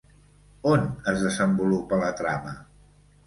On es desenvolupa la trama?